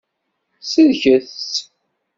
Sellket-tt.